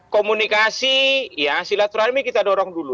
komunikasi ya silaturahmi kita dorong dulu